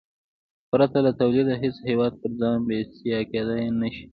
پرته له تولیده هېڅ هېواد پر ځان بسیا کېدای نه شي.